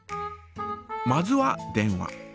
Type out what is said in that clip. まずは電話。